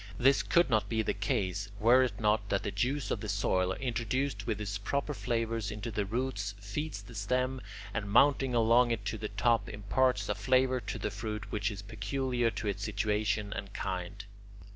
This could not be the case, were it not that the juice of the soil, introduced with its proper flavours into the roots, feeds the stem, and, mounting along it to the top, imparts a flavour to the fruit which is peculiar to its situation and kind.